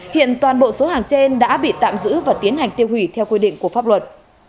hiện toàn bộ số hàng trên đã bị tạm giữ và tiến hành tiêu hủy theo quy định của pháp luật